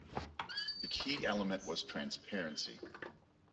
The key element was transparency.